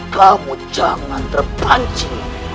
kamu jangan terbanci